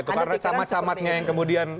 karena camat camatnya yang kemudian